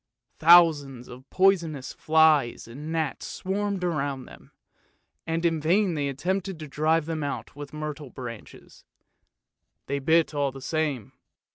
Thousands of poisonous flies and gnats swarmed around them, and in vain they attempted to drive them out with myrtle branches ; they bit all the same.